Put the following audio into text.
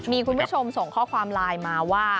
มีคุณผู้ชมส่งข้อความไลน์มาว่า